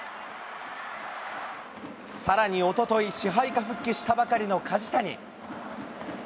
さらにおととい、支配下復帰したばかりの梶谷。